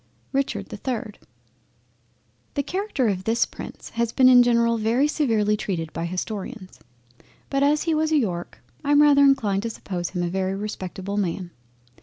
RICHARD the 3rd The Character of this Prince has been in general very severely treated by Historians, but as he was a York, I am rather inclined to suppose him a very respectable Man.